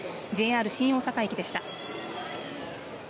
ＪＲ新大阪駅でした。